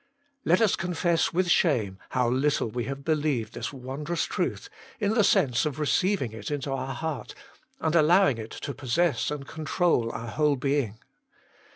Let us confess with shame how little we have believed this wondrous truth, in the sense of receiv ing it into our heart, and allowing it to possess and control our whole being.